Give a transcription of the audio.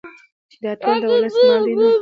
چې دا ټول د ولس مال دى نو